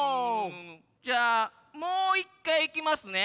じゃあもういっかいいきますね。